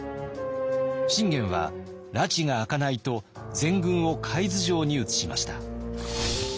信玄はらちが明かないと全軍を海津城に移しました。